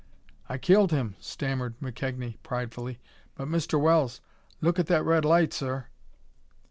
"I killed him," stammered McKegnie pridefully; "but Mr. Wells look at that red light, sir!"